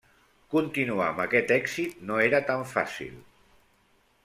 Continuar amb aquest èxit no era tan fàcil.